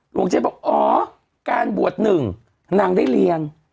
หลวงเจ๊บอกอ๋อการบวชหนึ่งนางได้เรียน